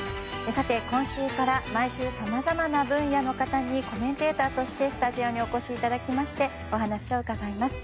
今週から毎週、さまざまな分野の方にコメンテーターとしてスタジオにお越しいただきましてお話を伺います。